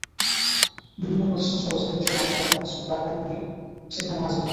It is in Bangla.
বিভিন্ন প্রতিষ্ঠানসহ শ্রেণি-পেশার মানুষ ব্যানার, ফেস্টুন, প্ল্যাকার্ড নিয়ে সেখানে হাজির হয়।